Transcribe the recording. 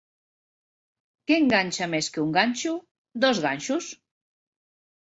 Què enganxa més que un ganxo? —Dos ganxos.